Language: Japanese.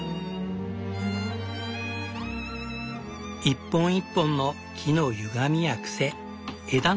一本一本の木のゆがみや癖枝の跡。